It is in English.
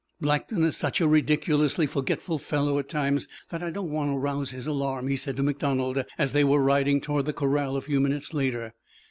"Blackton is such a ridiculously forgetful fellow at times that I don't want to rouse his alarm," he said to MacDonald as they were riding toward the corral a few minutes later.